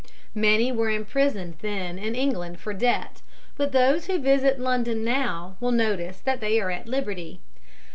Many were imprisoned then in England for debt, but those who visit London now will notice that they are at liberty.